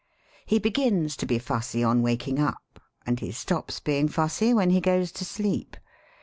He begins to be fussy on waking up, and he stops being fussy when he goes to sleep.